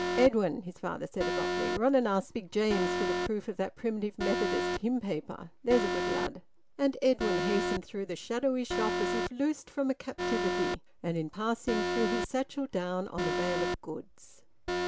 "Edwin," his father said abruptly, "run and ask Big James for th' proof of that Primitive Methodist hymn paper; there's a good lad." And Edwin hastened through the shadowy shop as if loosed from a captivity, and in passing threw his satchel down on a bale of goods.